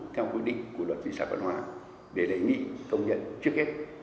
theo quy định của luật vị xã văn hóa để đề nghị xông nhận trước hết